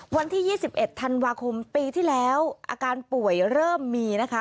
วันที่๒๑ธันวาคมปีที่แล้วอาการป่วยเริ่มมีนะคะ